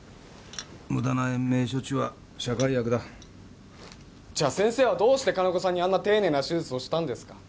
ムダな延命処置は社会悪だじゃあ先生はどうして金子さんにあんな丁寧な手術をしたんですか